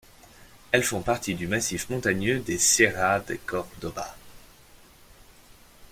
Elles font partie du massif montagneux des sierras de Córdoba.